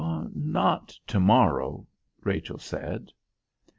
"Not to morrow," Rachel said.